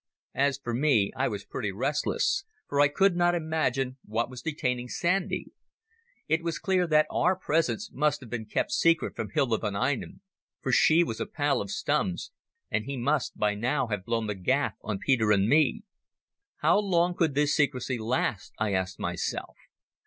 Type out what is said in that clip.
As for me I was pretty restless, for I could not imagine what was detaining Sandy. It was clear that our presence must have been kept secret from Hilda von Einem, for she was a pal of Stumm's, and he must by now have blown the gaff on Peter and me. How long could this secrecy last, I asked myself.